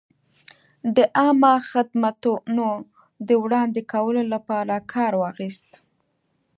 د عامه خدمتونو د وړاندې کولو لپاره کار واخیست.